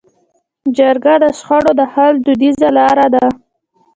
جرګه د شخړو د حل دودیزه لاره ده.